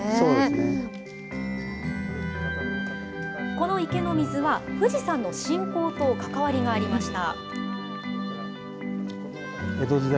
この池の水は、富士山の信仰と関わりがありました。